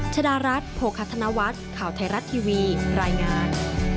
ชดารัฐโภคธนวัฒน์ข่าวไทยรัฐทีวีรายงาน